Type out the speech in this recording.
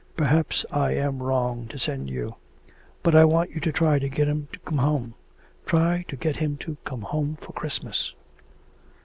Perhaps I am wrong to send you.... But I want you to try to get him to come home. Try to get him to come home for Christmas.'